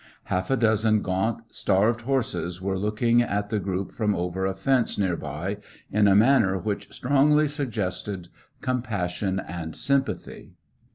Half a dozen gaunt, starved horses were looking at the group from over a fence near by, in a manner which strongly suggested compassion and sympathy.